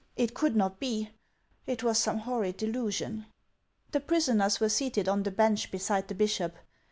It could not be ! It was some horrid delusion ! The prisoners were seated on the bench beside the bishop.